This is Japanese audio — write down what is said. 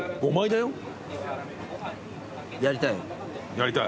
やりたい？